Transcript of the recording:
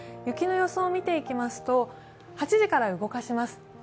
雪の予想を見ていきますと、８時から動かします。